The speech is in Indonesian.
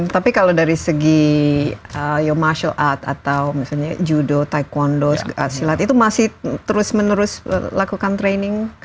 tapi kalau dari segi your martial art atau misalnya judo taekwondo silat itu masih terus menerus lakukan training